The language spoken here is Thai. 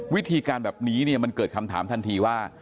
วิธีการแบบนี้มันเกิดคำถามทันทีว่า